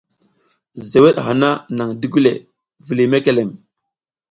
Zeweɗ hana naƞ digule, vuliy mekelem.